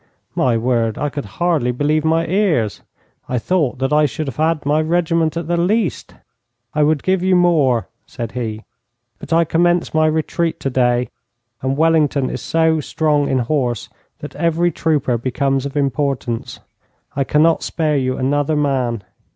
My word, I could hardly believe my ears! I thought that I should have had my regiment at the least. 'I would give you more,' said he, 'but I commence my retreat today, and Wellington is so strong in horse that every trooper becomes of importance. I cannot spare you another man.